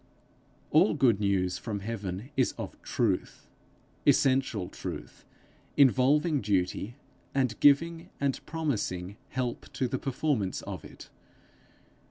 All good news from heaven, is of truth essential truth, involving duty, and giving and promising help to the performance of it.